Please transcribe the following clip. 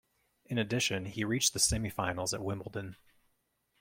In addition, he reached the semifinals at Wimbledon.